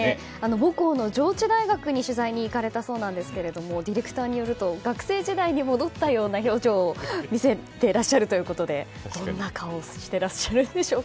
母校の上智大学に取材に行かれたそうなんですがディレクターによると学生時代に戻ったような表情を見せていらっしゃるということでどんな顔をしていらっしゃるんでしょうか